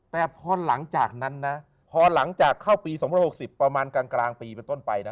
แต่พอหลังจากนั้นนะพอหลังจากเข้าปี๒๖๐ประมาณกลางปีเป็นต้นไปนะ